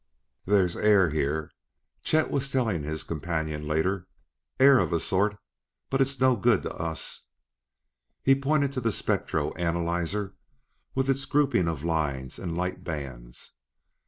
"There's air here," Chet was telling his companion later; "air of a sort, but it's no good to us." He pointed to the spectro analyzer with its groupings of lines and light bands.